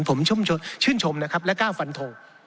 ผมชื่นชมนะครับและกล้าฟันทง